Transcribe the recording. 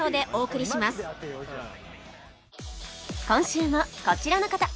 今週もこちらの方！